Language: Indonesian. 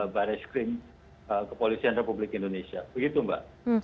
baris krim kepolisian republik indonesia begitu mbak